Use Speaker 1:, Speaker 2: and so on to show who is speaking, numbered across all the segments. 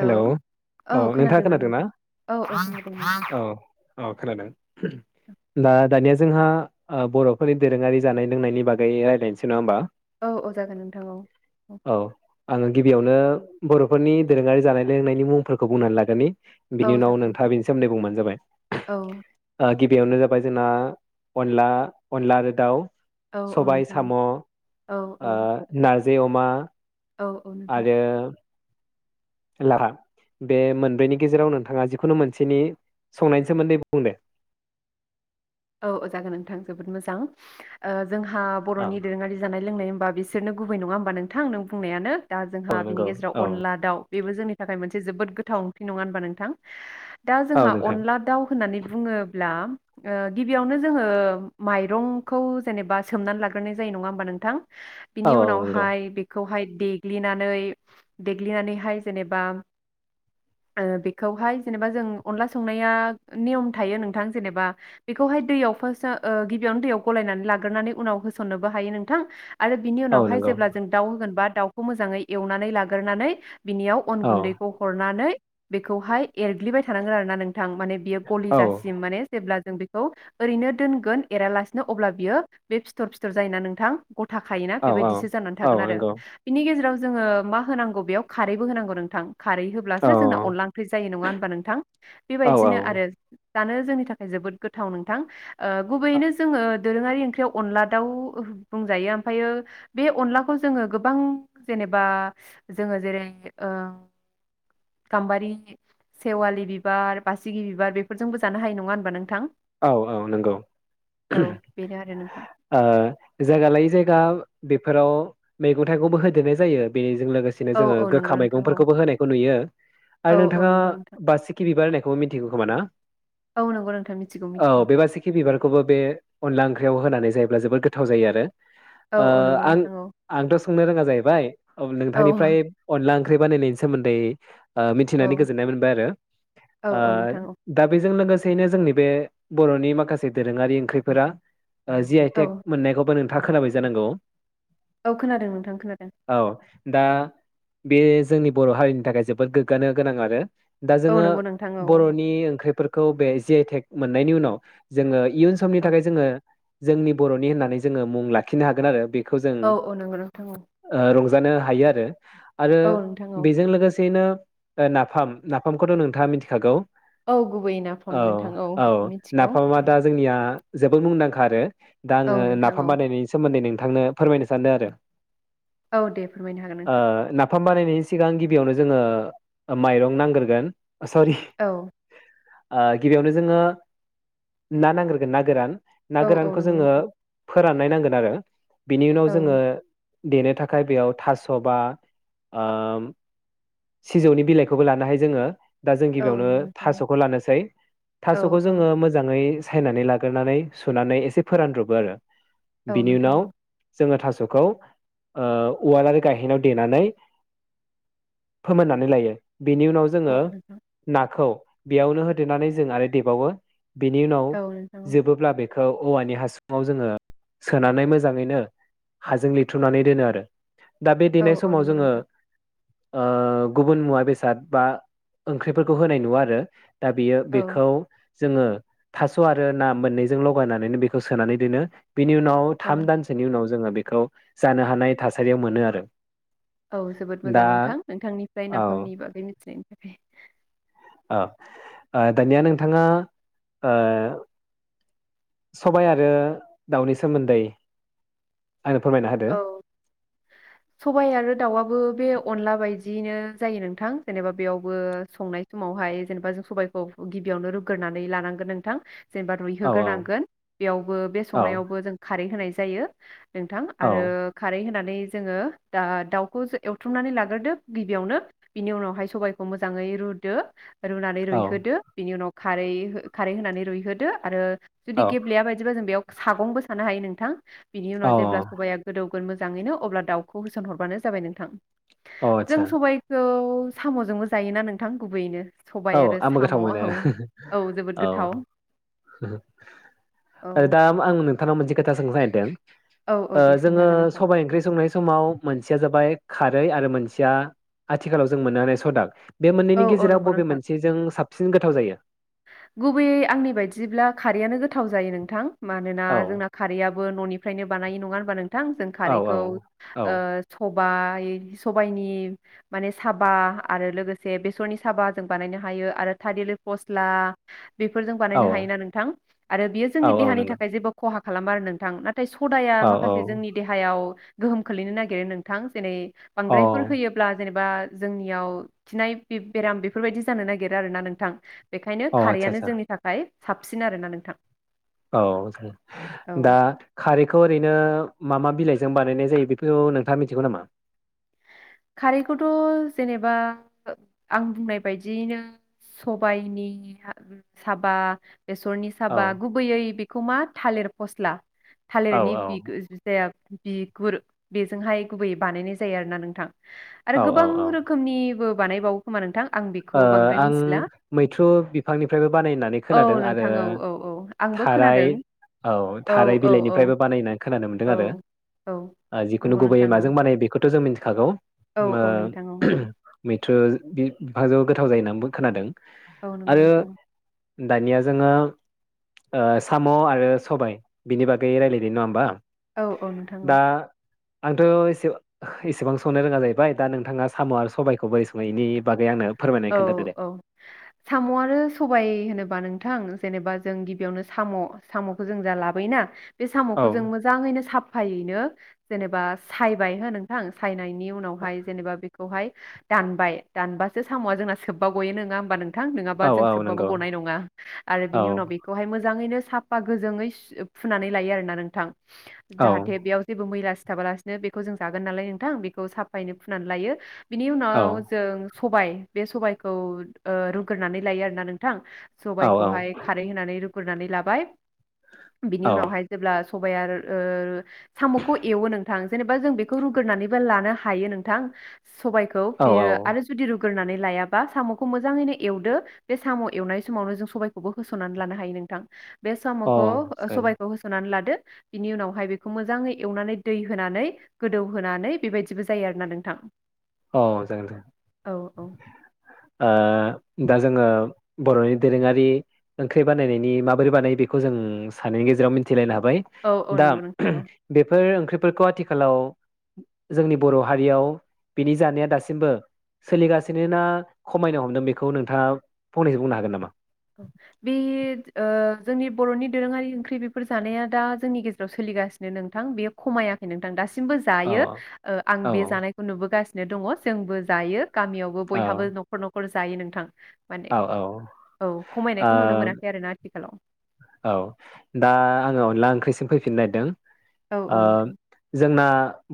Speaker 1: Hello औ नोंथाङा खोनादोंना
Speaker 2: नोंथां औ खोनादों नोंथां।
Speaker 1: औ औ खोनादों दा दानिया जोंहा बर'फोरनि दोरोङारि जानाय लोंनायनि बागै रायज्लायनोसै नङा होमबा
Speaker 2: औ औ जागोन नोंथां औ औ
Speaker 1: आङो गिबियावनो बर'फोरनि दोरोङारि जानाय लोंनायनि मुंफोरखौ बुंनानै लाग्रोनि
Speaker 2: औ
Speaker 1: बिनि उनाव
Speaker 2: जागोन
Speaker 1: नोंथाङा
Speaker 2: नोंथां
Speaker 1: बेनि सोमोन्दै बुंबानो
Speaker 2: औ
Speaker 1: जाबाय गिबियावनो जाबाय जोंना अनला अनला आरो दाउ
Speaker 2: औ औ
Speaker 1: सबाय
Speaker 2: नोंथां
Speaker 1: साम'
Speaker 2: औ औ
Speaker 1: ओ नार जि अमा
Speaker 2: औ औ नोंथां
Speaker 1: लाहा बे मोनब्रैनि गेजेराव नोंथाङा जिखुनु मोनसेनि संनायनि सोमोन्दै बुंदे
Speaker 2: औ औ जागोन नोंथां जोबोद मोजां ओ जोंहा
Speaker 1: औ
Speaker 2: बर'नि दोरोङारि जानाय लोंनाय होम्बा बिसोरनो गुबै नङा होमबा नोंथां नों बुंनायानो दा जोंहा
Speaker 1: औ
Speaker 2: बिनि
Speaker 1: नंगौ
Speaker 2: गेजेराव
Speaker 1: औ
Speaker 2: अनला दाउ बेबो जोंनि थाखाय मोनसे जोबोद गोथाव ओंख्रि नङा होनबा नोंथां दा
Speaker 1: औ
Speaker 2: जोंहा
Speaker 1: नोंथां
Speaker 2: अनला दाउ होननानै बुङोब्ला ओ गिबियावनो जोङो माइरंखौ जेनेबा सोमनानै लाग्रोनाय जायो नङा होमबा नोंथां
Speaker 1: औ
Speaker 2: बिनि
Speaker 1: औ नंगौ
Speaker 2: उनावहाय बेखौहाय देग्लिनानै देग्लिनानैहाय जेनेबा बेखौहाय जेनेबा जों अनला संनाया नियम थायो नोंथां जेनेबा बेखौहाय दैयाव फार्स्ट गिबियावनो दैयाव गलायनानै लाग्रोनानै उनाव होसननोबो हायो नोंथां आरो बिनि
Speaker 1: औ
Speaker 2: उनावहाय
Speaker 1: नंगौ
Speaker 2: जेब्ला जों दाउ होगोन बा दाउखौ मोजाङै एवनानै लागोरनानै बिनियाव अन
Speaker 1: औ
Speaker 2: गुन्दैखौ हरनानै बेखौहाय एरग्लिबाय थानांगोन आरोना नों थां माने बियो गलि
Speaker 1: औ
Speaker 2: जासिम माने जेब्ला खौ ओरैनो दोनगोन एरालासिनो अब्ला बियो गथा खायोना
Speaker 1: औ
Speaker 2: बेबायदिसो जानानै
Speaker 1: औ
Speaker 2: थागोन आरो
Speaker 1: नंगौ
Speaker 2: बिनि गेजेराव जोङो मा होनांगौ बेयाव खारैबो होनांगौ नोंथां। खारै
Speaker 1: औ
Speaker 2: होब्लासो जोंना अनला ओंख्रि जायो नङा होन होमबा नोंथां।
Speaker 1: औ
Speaker 2: बेबायदिनो आरो जानो जोंनि थाखाय जोबोद गो थाव नोंथां। ओ गुबैयैनो जोङो दोरोङारि ओंख्रियाव अनला दाउ बुंजायो ओमफायो बे अनलाखौ जोङो गोबां जेनेबा जोङो जेरै ओ गाम्बारि, सेवालि बिबार, बासिगि बिबार बेफोरजोंबो जानो हायो नङा होनबा नोंथां।
Speaker 1: औ औ नंगौ [unintelligible]
Speaker 2: औ बेनो आरो नोंथां
Speaker 1: ओ जायगा लायै जायगा बे फोराव मैगं थाइगंबो होदेरनाय जायो बे जों लोगोसेनो
Speaker 2: औ
Speaker 1: जोंङो
Speaker 2: औ नंगौ
Speaker 1: गोखा
Speaker 2: नोंथां औ
Speaker 1: मैगंफोरखौबो होनायखौ नुयो
Speaker 2: औ
Speaker 1: ओ
Speaker 2: औ
Speaker 1: नोंथाङा
Speaker 2: नंगौ नोंथां
Speaker 1: बा सिखिरि बिबार होनाय बो मिथिगौ खोमा ना?
Speaker 2: औ नंगौ नोंथां मि
Speaker 1: औ बेबासिखि बिबारखौबो बे अनला ओंखि ख्रियाव होनानै जायोब्ला जोबोद गोथाव जायो आरो।
Speaker 2: औ
Speaker 1: ओ
Speaker 2: औ नंगौ
Speaker 1: आं
Speaker 2: नोंथां औ
Speaker 1: आंथ' सोंनो रोङा जाहैबाय। औ नोंथांनिफ्राय अनला ओं ओंख्रि बानायनायनि सोमोन्दै ओ
Speaker 2: औ
Speaker 1: मिथिनानै गोजोननाय मोनबाय आरो।
Speaker 2: औ
Speaker 1: ओ
Speaker 2: औ नोंथां औ
Speaker 1: दा बेजों लोगोसेयैनो जोंनि बे बर'नि माखासे दोरोङारि ओंख्रिफोरा ओ जि आइ
Speaker 2: औ
Speaker 1: टेक मोननायखौबो नों था खोनाबाय जानांगौ।
Speaker 2: औ खोनादों नोंथां खोनादों
Speaker 1: औ दा बे जोंनि बर' हारिनि थाखाय जोबोद गोग्गानो गोनां आरो दा
Speaker 2: औ
Speaker 1: जोङो
Speaker 2: नंगौ नोंथां औ
Speaker 1: बर'नि ओंख्रिफोर खौ बे जि आइ टेक मोननायनि उनाव जोङो इयुन समनि
Speaker 2: औ
Speaker 1: थाखाय जोङो जोंनि बर'नि होननानै जोङो मुं लाखिनो हागोन आरो बे
Speaker 2: औ औ नोंगौ नोंथां औ।
Speaker 1: नुजानो हायो आरो आरो
Speaker 2: औ नोंथां औ
Speaker 1: बेजों लोगो सेनो ओ नाफाम। नाफामखौथ' नोंथाङा मिथिखागौ।
Speaker 2: औ गुबैयै
Speaker 1: औ
Speaker 2: नाफम नोंथां औ। बेखौ
Speaker 1: [unintelligible]
Speaker 2: मिथिगौ
Speaker 1: नाफामा दा जोंनिया आ जोबोद मुंदांखा आरो दा
Speaker 2: औ
Speaker 1: आङो
Speaker 2: नोंथां औ
Speaker 1: नाफाम बानायनायनि सोमोन्दै नों थांनो फोरमायनो सानदों आरो
Speaker 2: औ दे फोरमायनो हागोन नोंथां।
Speaker 1: फाम बानायनायनि सिगां गिबियावनो जोङो माइरं नांग्रोगोन। ओ सरि।
Speaker 2: औ
Speaker 1: ओ गिबियावनो जोङो। ना नांग्रोगोन ना गोरान। ना
Speaker 2: औ औ
Speaker 1: गोरानखौ
Speaker 2: नंगौ
Speaker 1: जोङो
Speaker 2: नोंथां
Speaker 1: फो फोराननाय नांगोन आरो बिनि उनाव
Speaker 2: औ
Speaker 1: जोङो देनो थाखाय बेयाव थास' बा ओ सिजौनि बिलाइखौबो लानो हायो जोङो। दा जों
Speaker 2: औ
Speaker 1: गिबियावनो
Speaker 2: नंगौ नोंथां औ
Speaker 1: थास'खौ लानोसै थास
Speaker 2: औ
Speaker 1: स'खौ
Speaker 2: औ
Speaker 1: जोङो मोजाङै सायनानै लागोरनानै सुनानै एसे फोरानद्र'बो आरो
Speaker 2: औ
Speaker 1: बिनि
Speaker 2: नोंथां
Speaker 1: उनाव
Speaker 2: औ
Speaker 1: जोङो थास' [unintelligible] ओ उवाल आरो गायहेनायाव देनानै फोमोननानै लायो। बेनि उनाव
Speaker 2: औ
Speaker 1: जोङो
Speaker 2: नोंथां
Speaker 1: नाखौ बेयावनो होदेरनानै जों आरो देबावो। बेनि उनाव
Speaker 2: औ नोंथां औ
Speaker 1: जोबोब्ला बे खौ औवानि हासुङाव जोङो सोनानै मोजाङैनो हाजों लिरथुनानै दोनो आरो दा बे
Speaker 2: औ
Speaker 1: देनाय
Speaker 2: औ
Speaker 1: समाव
Speaker 2: नंगौ
Speaker 1: जोङो।
Speaker 2: नोंथां
Speaker 1: ओ गुबुन मुवा बेसाद बा ओंख्रिफोरखौ होनाय नुवा आरो दा बियो
Speaker 2: औ
Speaker 1: बेखौ जोङो थास' आरो ना मोननैजों लगायनानैनो बेखौ सोनानै दोनो बिनि उनाव
Speaker 2: औ
Speaker 1: थाम दानसोनि उनाव जोङो बेखौ जानो हानाय थासारियाव मोनो आरो
Speaker 2: औ जोबोद मोजां
Speaker 1: दा
Speaker 2: नोंथां नोंथांनिफ्राय
Speaker 1: औ
Speaker 2: नाफामनि बागै मिथिनायनि थाखाय [inaudible]
Speaker 1: ओ दानिया नोंथाङा ओ सबाय आरो दाउनि सोमोन्दै आंनो फोरमायना होदो
Speaker 2: औ सबाइ आरो दाउआबो बे अनला बायदिनो जायो नोंथां जेनेबा बेयावबो संनाय समावहाय जेनेबा जों सबबायखौ गिबियावनो रुग्रोननानै लानांगोन नोंथां जेनेबा
Speaker 1: औ औ
Speaker 2: रुइहोग्रोनांगोन बेयावबो बे
Speaker 1: औ
Speaker 2: संनायावबो जों खारै होनाय जा जायो नोंथां
Speaker 1: औ
Speaker 2: आरो खारै होन होनानै जोङो दा दाउखौ एवथ्रुमनानै लाग्रोदो गिबियावनो बिनि उनावहाय सबायखौ मोजाङै रुदो रुनानै
Speaker 1: औ
Speaker 2: रुइहोदो बिनि उनाव खारै खारै होनानै रुइहोदो आरो जुदि गेब्लेया बायदिबा जों बेयाव सागंबो सानो हायो नों नोंथां बिनि
Speaker 1: औ
Speaker 2: उनाव जेब्ला गोदौगोन मोजाङैनो अब्ला दाउखौ होसनहरबानो जाबाय नोंथां
Speaker 1: औ आदसा
Speaker 2: जों सबायखौ साम'जोंबो जायोना नोंथां गुबैयैनो सबाय
Speaker 1: औ
Speaker 2: आरो
Speaker 1: आंबो
Speaker 2: साम'
Speaker 1: गोथाव
Speaker 2: औ
Speaker 1: मोनो
Speaker 2: जोबोद
Speaker 1: औ
Speaker 2: गोथाव औ
Speaker 1: दा आं नोंथांनाव मोनसे खोथा सोंनो नागेरदों
Speaker 2: औ औ
Speaker 1: ओ
Speaker 2: दे सोंनो
Speaker 1: जोङो
Speaker 2: हागोन नोंथां
Speaker 1: सबायाइ ओंख्रि संनाय समाव मोनसेया जाबाय खारै आरो मोनसेया आथिखालाव जों मोननो हानाय सदा बे मोननैनि
Speaker 2: औ औ
Speaker 1: गेजेराव
Speaker 2: नंगौ
Speaker 1: बबे
Speaker 2: नोंथां
Speaker 1: मोनसे मोनसेजों साबसिन गोथाव जायो
Speaker 2: गुबैयै आंनि बायदिब्ला खारैयानो गोथाव जायो नोंथां मानोना
Speaker 1: औ
Speaker 2: जोंना खारैया बो न'निफ्रायनो बानाय नङा होनबा नों नोंथां जों
Speaker 1: औ औ
Speaker 2: खारैखौ
Speaker 1: औ
Speaker 2: ओ सब बाय सबायाइनि मान साबा आरो लोगोसे बेसरनि साबा जों बानायनो हायो आरो थादलि पसबा ला बेफोरजों
Speaker 1: औ
Speaker 2: बानायनो हायोना नोंथां आरो बियो
Speaker 1: औ
Speaker 2: जोंनि
Speaker 1: औ
Speaker 2: देहानि
Speaker 1: नंगौ
Speaker 2: थाखाय जेबो खहा खालाम आरो नोंथां ना नाथाय सदाया
Speaker 1: औ औ
Speaker 2: माखासे जोंनि देहायाव गोहोम खोलैनो नागिरो नोंथां। जेरै
Speaker 1: औ
Speaker 2: बांद्रायफोर होयोब्ला जेने बा जोंनियाव खिनाय बेराम बेफोरबायदि जानो नागिरो आरोना नोंथां। बेखायनो
Speaker 1: औ
Speaker 2: खारैआनो
Speaker 1: आदसा
Speaker 2: जोंनि थाखाय साबसिन आरोना नोंथां।
Speaker 1: औ
Speaker 2: औ
Speaker 1: दा खारैखौ ओरै नो मा मा बिलाइजों बानायनाय जायो नोंथाङा मिथिगौ नामा?
Speaker 2: खारैखौथ' जेनेबा आं बुंनाय बायदियैनो सबायाइनि साबा, बेसरनि
Speaker 1: औ
Speaker 2: साबा गुबैयै बेखौ मा थालिर फस्ला।
Speaker 1: औ
Speaker 2: थालिरनि बिगुर बिगुर बेजोंहाय गुबैयै बानायनाय जायो आरो ना नोंथां। आरो
Speaker 1: औ
Speaker 2: गोबां
Speaker 1: औ
Speaker 2: रोखोमनिबो बानायबावो खोमा नोंथां। आं बेखौ बांद्राय
Speaker 1: आं
Speaker 2: मिथिला
Speaker 1: मैथ्रु बिफांनिफ्रायबो बानायो होननानै
Speaker 2: औ
Speaker 1: खोनादों आरो
Speaker 2: नोंथां औ औ औ आंबो
Speaker 1: थाराय
Speaker 2: खोनादों
Speaker 1: औ थाराय
Speaker 2: औ औ
Speaker 1: बिलाइनिफ्रायबो बानायो होननानै खोनानो मोनदों
Speaker 2: औ औ
Speaker 1: आरो जिखुनु
Speaker 2: नंगौ
Speaker 1: गुबैयै
Speaker 2: नोंथां औ
Speaker 1: माजों बानायो बेखौथ' जों मिथिखागौ।
Speaker 2: औ औ नोंथां औ
Speaker 1: [unintelligible] मैथ्रु बि [unintelligible] गोथाव जायो होननानैबो खोनादों।
Speaker 2: औ नंगौ
Speaker 1: आरो
Speaker 2: नोंथां।
Speaker 1: दानिया जोङो साम' आरो सबाय बिनि बागै रायलायदों नङा होमबा?
Speaker 2: औ औ नोंथां
Speaker 1: दा
Speaker 2: औ।
Speaker 1: आंथ' एसेबां संनो रोङा जाहैबाय दा नोंथाङा साम' आरो सबायाइखौ बोरै सङो बेनि बागै आंनो
Speaker 2: औ
Speaker 1: फोरमायनानै खोन्थादो दे
Speaker 2: औ साम' आरो सबाय होनोबा नोंथां जेनेबा जों गिबियावनो साम'खौ जों जा लाबोयोना बे साम'खौ
Speaker 1: औ
Speaker 2: जों मोजाङैनो साब फायैनो जेनेबा सायबाय हो नोंथां। सायनाय उनावहाय जेनेबा बे खौहाय दानबाय दानबासो साम‌आ जोंना सोबबा गयो नङा होमबा नों थां? नङाबा
Speaker 1: औ
Speaker 2: जों
Speaker 1: औ
Speaker 2: सोबबाबो
Speaker 1: नंगौ
Speaker 2: गनाय नङा। आरो
Speaker 1: औ
Speaker 2: बेनि उनाव बेखौ हाय मोजाङैनो साफा गोजोंङै फुनानै लायो आरोना नोंथां।
Speaker 1: औ
Speaker 2: जाहाथे बेयाव जेबो मैला सिथाबालासिनो बेखौ जों जागोन नालाय नोंथां बेखौ साफायै फुनानै लायो। बिनि
Speaker 1: औ
Speaker 2: उनाव जों सबाइ बे सबाइखौ ओ रुग्रोनानै लायो आरोना नोंथां।
Speaker 1: औ
Speaker 2: सबाइखौहाय खारै होनानै रु ग्रोनानै लाबाय बिनि उनावहाय
Speaker 1: औ
Speaker 2: जेब्ला सबाइया रो ओ साम'खौ एवो नोंथां जेनेबा जों बेखौ रुग्रोनानैबो लानो हायो नोंथां। सबायखौ बेयो आरो
Speaker 1: औ
Speaker 2: जुदि रुग्रोननानै लायाबा साम'खौ मोजाङैनो एवदो बे साम' एवनाय समावनो जों सबायखौबो होसननानै लानो हायो नोंथां। बे साम'खौ
Speaker 1: औ
Speaker 2: ओ
Speaker 1: औ
Speaker 2: सबायखौ होसोननानै लादो। बिनि उनावहाय बेखौ मोजाङै एवनानै दै होनानै गोदौहोनानै बेबायदिबो जायो आरोना नोंथां।
Speaker 1: अह जागोन दे।
Speaker 2: औ औ
Speaker 1: ओ दा जोङो बर'नि दोरोङारि ओंख्रि बानायनायनि माबोरै बानायो बेखौ जों सानैनि गेजेराव मिथिलायनो हा बाय
Speaker 2: औ औ
Speaker 1: दा
Speaker 2: नंगौ नोंथां औ
Speaker 1: बेफोर ओंख्रि फोरखौ आथिखालाव जोंनि बर' हारियाव बेनि जानाया दासिमबो सोलिगासिनो ना खमायनो हमदों बेखौ नोंथाङा फंनैसो बुंनो हागोन नामा?
Speaker 2: बेयो ओ जोंनि बर'नि दोरोङारि ओंख्रि बेफोर जानाया दा जोंनि गेजेराव सोलिगासिनो नोंथां बेयो खमायाखै नोंथां दासि मबो
Speaker 1: औ
Speaker 2: जायो आं
Speaker 1: औ
Speaker 2: बे जानायखौ नुबोगासि नो दङ जोंबो जायो। गामियावबो
Speaker 1: औ
Speaker 2: बयहाबो न'ख न'खर जायो नोंथां। माने
Speaker 1: औ औ।
Speaker 2: औ
Speaker 1: ओ
Speaker 2: खमायनायखौ नुनो मोनाखै आरो ना। आथिखालाव।
Speaker 1: औ दा आङो अनला ओंख्रिसिम फैफिननो नागिरदों।
Speaker 2: औ
Speaker 1: ओ
Speaker 2: औ नोंथां
Speaker 1: जोंना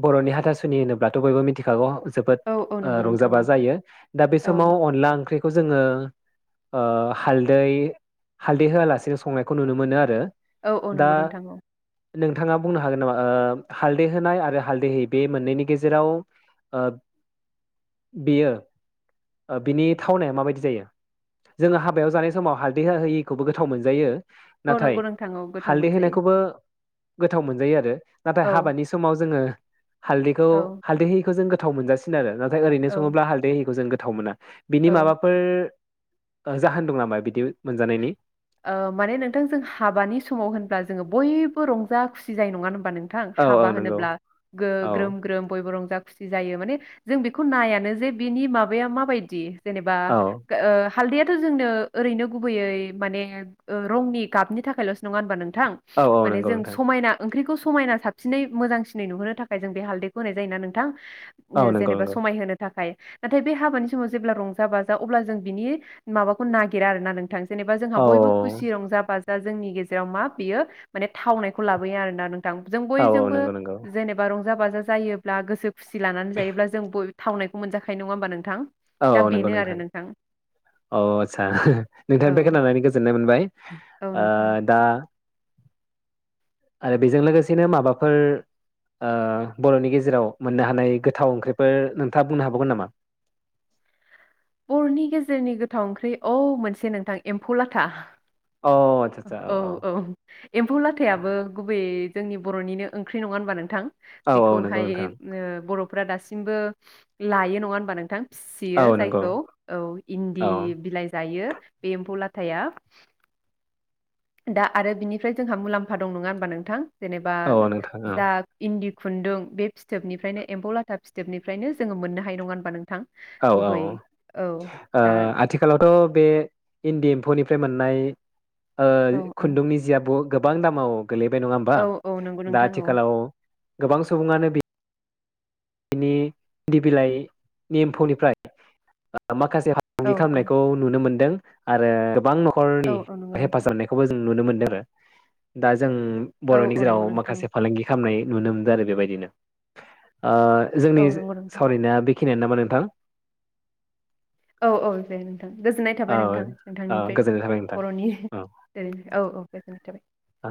Speaker 1: बर'नि हाथासुनि होनोब्लाथ' बयबो मिथिखागौ। जोबो
Speaker 2: औ औ
Speaker 1: ओ
Speaker 2: नंगौ
Speaker 1: रंजा
Speaker 2: नोंथां
Speaker 1: बाजा
Speaker 2: औ
Speaker 1: जायो दा बे समाव
Speaker 2: औ
Speaker 1: अनला ओंख्रि खौ जोङो ओ हाल्दै हाल्दै होआ लासिनो संना खौ नुनो मोनो आरो।
Speaker 2: औ औ नंगौ नोंथां ओं औ।
Speaker 1: नोंथाङा बुंनो हागोन नामा ओ हालदै होनाय आरो हालदै होयि बे मोननैनि गेजेराव ओ बेयो ओ बिनि थावनाया माबायदि जायो जोङो हाबायाव जानाय समाव हालदै होआ होयिखौबो गोथाव मोनजायो।
Speaker 2: औ
Speaker 1: नाथाय
Speaker 2: नंगौ नोंथां औ गोथाव
Speaker 1: हालदै
Speaker 2: मोनजायो
Speaker 1: होनायखौबो गोथाव मोनजायो आरो। नाथाय
Speaker 2: औ
Speaker 1: हाबानि समाव जोङो हालदैखौ
Speaker 2: औ
Speaker 1: हालदै हिखौ जों गोथाव मोनजासिनो आरो ना ओरैनो
Speaker 2: औ
Speaker 1: सङोबा हालदै होयिखौ जों गोथ थाव मोना बिनि
Speaker 2: औ
Speaker 1: माबाफोर जाहोन दं नामा बिदि मोनजानायनि
Speaker 2: औ माने नोंथां जों हाबानि समाव होनब्ला जोङो बय बो रंजा खुसि जायो नङा होन बा नोंथां
Speaker 1: औ
Speaker 2: हाबा
Speaker 1: औ नंगौ
Speaker 2: होनोब्ला
Speaker 1: औ
Speaker 2: ग्रोम ग्रोम बयबो रंजा खुसि जायो माने जों बेखौ नायानो जे बिनि माबाया माबायदि जेनेबा
Speaker 1: औ
Speaker 2: हालदैआथ' जोंनो ओरैनो गुबैयै माने रंनि गाबनि थाखायल'सो नङा होनबा नों थां
Speaker 1: औ औ
Speaker 2: माने
Speaker 1: नंगौ
Speaker 2: जों
Speaker 1: नोंथां
Speaker 2: समायना ओंख्रिखौ सं समायना साबसिनै मोजांसिनै नुहोनो थाखाय जों बे हालदैखौ होनाय जायोना नोंथां
Speaker 1: औ नंगौ
Speaker 2: जेनेबा
Speaker 1: नंगौ
Speaker 2: समाय होनो थाखाय नाथाय बे हाबानि समाव जेब्ला रंजा बाजा अब्ला जों बिनि माबाखौ नागिरा आरोना नोंथां जेनेबा जोंहा
Speaker 1: औ
Speaker 2: बयबो खुसि रंजा बा दा जोंनि गेजेराव मा बियो माने थावनायखौ लाबोयो आरोना नों थां जों
Speaker 1: औ औ
Speaker 2: बयजोंबो
Speaker 1: नंगौ नंगौ
Speaker 2: जेनेबा रं जा बाजा जायोब्ला गोसो खुसि लानानै जायोब्ला जों बयबो थावनायखौ मोनजाखायो नङा होमबा नोंथां
Speaker 1: औ
Speaker 2: दा
Speaker 1: औ नंगौ
Speaker 2: बेनो आरो
Speaker 1: नोंथां औ आस्सा
Speaker 2: औ
Speaker 1: नोंथां बे खोनानानै गोजोननाय मोनबाय
Speaker 2: औ
Speaker 1: ओ
Speaker 2: नोंथां
Speaker 1: दा आरो बेजों लोगोसेनो माबाफोर बर'नि गेजेराव मोननो हानाय गोथाव ओंख्रिफोर नोंथाङा बुंनो हाबावगोन नामा
Speaker 2: बर'नि गेजेरनि गोथाव ओंख्रि औ मोनसे नोंथां एम्फौ लाथा
Speaker 1: अ आदसा आदसा
Speaker 2: औ औ एम्फौ लाथायाबो गुबैयै जोंनि बर'निनो ओंख्रि नङा होनबा नोंथां
Speaker 1: औ औ नंगौ
Speaker 2: बेखौहाय
Speaker 1: नोंथां
Speaker 2: बर' फ्रा दासिमबो लायो नङा होमबा नोंथां फिसियो
Speaker 1: औ नंगौ
Speaker 2: जायखौ औ इन्दि
Speaker 1: औ
Speaker 2: बिलाइ जायो बे एम्फौ लाथ थाया। दा आरो बिनिफ्राय जोंहा मुलाम्फा दं नङा होमबा नोंथां। जेनेबा
Speaker 1: औ नोंथां
Speaker 2: जा
Speaker 1: औ
Speaker 2: इन्दि खुन्दुं बे फिथोबनिफ्रायनो एमफौ लाथा फिथोबनिफ्रायनो जोङो मोननो हायो नङा होनबा नोंथां।
Speaker 1: औ औ
Speaker 2: गुबै
Speaker 1: ओ
Speaker 2: औ दा
Speaker 1: आथिखालावथ' बे इन्दि एम्फौनिफ्राय मोन नाय। ओ
Speaker 2: औ औ
Speaker 1: खुन्दुंनि जिआ ब' गोबां दामाव। गोलैबाय नङा होमबा
Speaker 2: औ औ नंगौ
Speaker 1: दा
Speaker 2: नोंथां औ
Speaker 1: आथिखालाव। गोबां सुबुङानो बि बिनि इन्दि बिलाइ नि एमफौनिफ्राय ओ माखासे जे
Speaker 2: औ
Speaker 1: फालांगि
Speaker 2: औ
Speaker 1: खालामनायखौ नुनो मोनदों। आरो गोबां न
Speaker 2: औ
Speaker 1: खरनि
Speaker 2: औ नंगौ नोंथां
Speaker 1: हेफाजाब होनायखौबो जों नुनो मो नो आरो दाज जों
Speaker 2: औ
Speaker 1: बर'नि
Speaker 2: औ
Speaker 1: जेराव
Speaker 2: नंगौ नोंथां
Speaker 1: माखासे फालांगि। खालामनाय नुनो मोनदों आरो बेबायदिनो ओ जोंनि
Speaker 2: औ नंगौ नोंथां
Speaker 1: सावरायनाया बे खिनियानो नामा नोंथां।
Speaker 2: औ औ दे। गोजोननाय
Speaker 1: औ
Speaker 2: थाबाय नोंथां
Speaker 1: औ
Speaker 2: नोंथांनिफ्राय
Speaker 1: गोजोननाय थाबाय नोंथां
Speaker 2: बर'नि औ औ दे। [unintelligible]
Speaker 1: आ।